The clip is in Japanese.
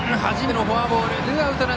初めてのフォアボール。